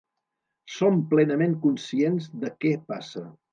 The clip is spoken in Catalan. Som plenament conscients de què passa.